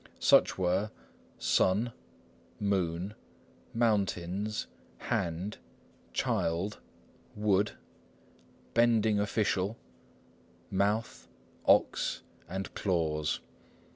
Such were [Illustration: Sun, moon, mountains, hand, child, wood, bending official, mouth, ox, and claws.